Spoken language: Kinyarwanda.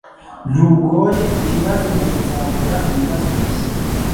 Ntugoye ikibazo mukuzamura ibibazo bishya.